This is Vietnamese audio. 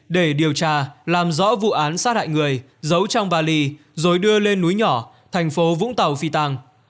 để điều tra làm rõ vụ án sát hại người giấu trong vali rồi đưa lên núi nhỏ thành phố vũng tàu phi tàng